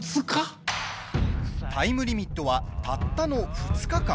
タイムリミットはたったの２日間。